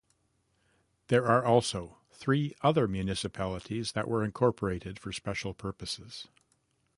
There are also three other municipalities that were incorporated for special purposes.